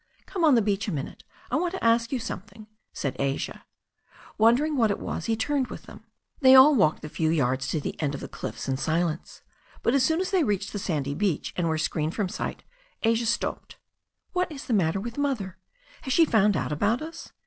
''Come on the beach a minute. I want to ask you some thing," said Asia. Wondering what it was, he turned with them. They all walked the few yards to the end of the cliffs in silence. But as soon as they reached the sandy beach, and were screened from sight, Asia stopped. "What is the matter with Mother? Has she found out about us?"